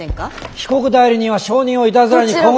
被告代理人は証人をいたずらに困惑。